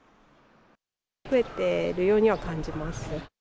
増えているようには感じます。